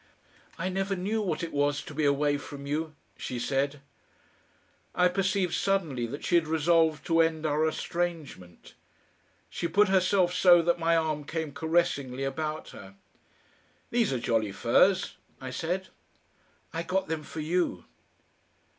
"I never knew what it was to be away from you," she said. I perceived suddenly that she had resolved to end our estrangement. She put herself so that my arm came caressingly about her. "These are jolly furs," I said. "I got them for you."